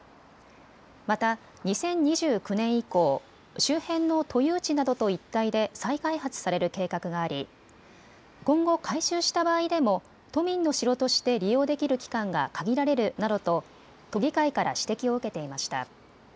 また２０２９年以降、周辺の都有地などと一体で再開発される計画があり今後、改修した場合でも都民の城として利用できる期間が限られるなどと都議会から指摘を受けていました。